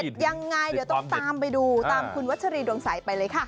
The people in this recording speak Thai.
ยังไงเดี๋ยวต้องตามไปดูตามคุณวัชรีดวงใสไปเลยค่ะ